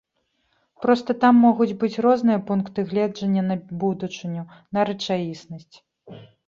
Проста там могуць быць розныя пункты гледжання на будучыню, на рэчаіснасць.